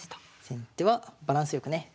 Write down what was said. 先手はバランス良くね